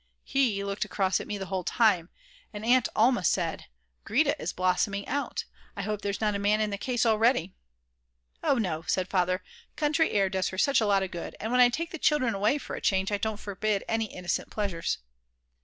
He looked across at me the whole time, and Aunt Alma said: "Grete is blossoming out, I hope there's not a man in the case already." "Oh no," said Father, "country air does her such a lot of good, and when I take the children away for a change I don't forbid any innocent pleasures."